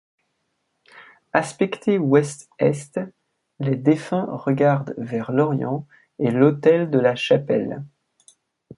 Aspectés ouest-est, les défunts regardent vers l'orient et l'autel de la chapelle.